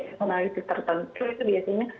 personality tertentu itu biasanya